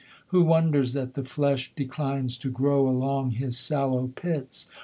Who wonders that the flesh declines to grow Along his sallow pits?